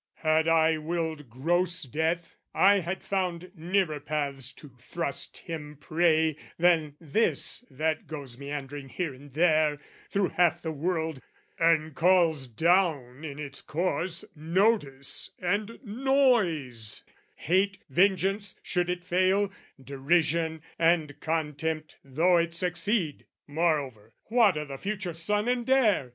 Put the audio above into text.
had I willed gross death, "I had found nearer paths to thrust him prey "Than this that goes meandering here and there "Through half the world and calls down in its course "Notice and noise, hate, vengeance, should it fail, "Derision and contempt though it succeed! "Moreover, what o' the future son and heir?